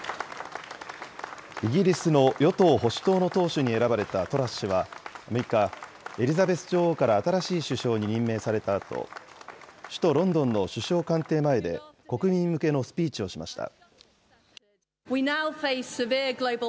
イギリスの与党・保守党に党首に選ばれたトラス氏は、６日、エリザベス女王から新しい首相に任命されたあと、首都ロンドンの首相官邸前で、国民向けのスピーチをしました。